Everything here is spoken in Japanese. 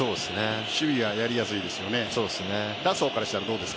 守備はやりやすいですよね。